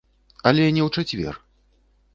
Але не ў чацвер.